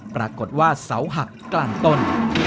ปรากฏว่าเสาหักกลางต้น